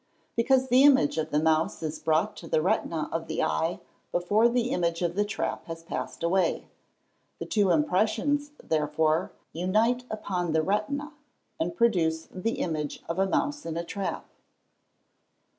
_ Because the image of the mouse is brought to the retina of the eye before the image of the trap has passed away. The two impressions, therefore, unite upon the retina, and produce the image of a mouse in a trap.